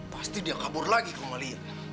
pasti dia kabur lagi kau mau liat